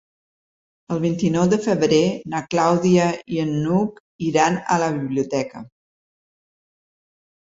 El vint-i-nou de febrer na Clàudia i n'Hug iran a la biblioteca.